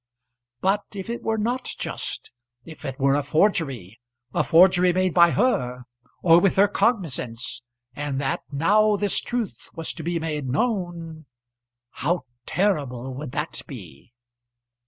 But if it were not just if it were a forgery, a forgery made by her, or with her cognizance and that now this truth was to be made known! How terrible would that be!